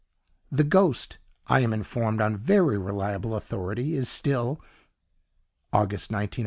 P.S. The Ghost I am informed on very reliable authority, is still (August 1908) to be seen.